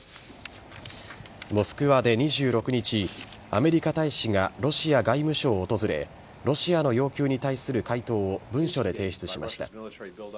モスクワで２６日アメリカ大使がロシア外務省を訪れロシアの要求に対する回答を文書で提出しました。